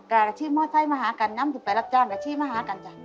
ค่ะที่เมาะไทยมาหากันน้ำถือไปรับจ้างที่เมาะไทยมาหากันจ้ะ